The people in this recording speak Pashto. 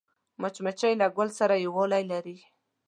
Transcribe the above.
مچمچۍ له ګل سره یووالی لري